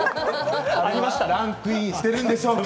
ランクインしているんでしょうか？